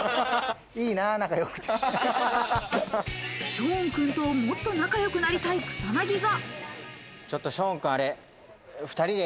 ショーンくんともっと仲良くなりたい草薙は。